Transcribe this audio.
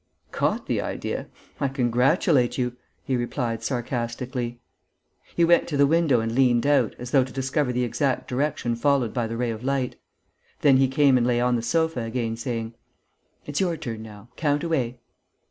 "Caught the idea? I congratulate you!" he replied, sarcastically. He went to the window and leant out, as though to discover the exact direction followed by the ray of light. Then he came and lay on the sofa again, saying: "It's your turn now. Count away!"